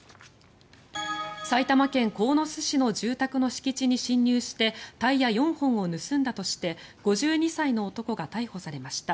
埼玉県鴻巣市の住宅の敷地に侵入してタイヤ４本を盗んだとして５２歳の男が逮捕されました。